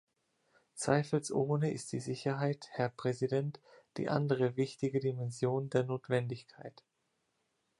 Zweifelsohne ist die Sicherheit, Herr Präsident, die andere wichtige Dimension der Notwendigkeit.